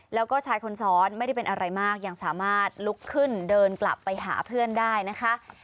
แล้วก็ชายคนซ้อนไม่ได้เป็นอะไรมากยังสามารถลุกขึ้นเดินกลับไปหาเพื่อนได้นะคะ